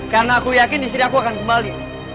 karena aku yakin istri aku akan kembali